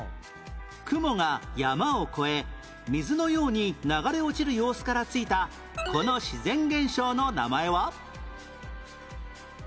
雲が山を越え水のように流れ落ちる様子からついたこの自然現象の名前は？